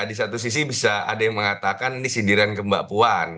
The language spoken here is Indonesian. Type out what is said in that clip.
di satu sisi bisa ada yang mengatakan ini sindiran ke mbak puan